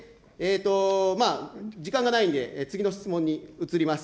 時間がないんで、次の質問に移ります。